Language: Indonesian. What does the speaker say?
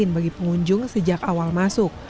bagi pengunjung sejak awal masuk